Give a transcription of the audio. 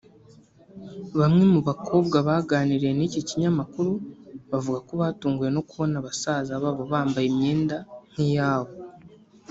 Bamwe mu bakobwa baganiriye n’iki kinyamakuru bavuga ko batunguwe no kubona basaza babo bambaye imyenda nk’iyabo